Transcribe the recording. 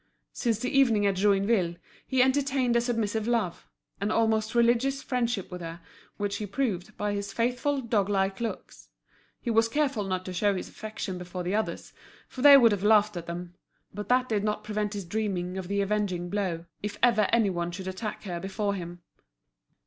Since the evening at Joinville, he entertained a submissive love, an almost religious friendship for her, which he proved by his faithful doglike looks. He was careful not to show his affection before the others, for they would have laughed at them; but that did not prevent his dreaming of the avenging blow, if ever any one should attack her before him.